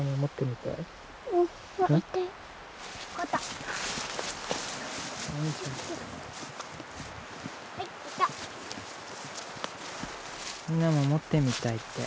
みなも持ってみたいって。